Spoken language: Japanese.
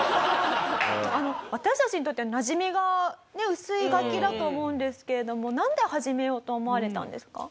私たちにとってはなじみがね薄い楽器だと思うんですけれどもなんで始めようと思われたんですか？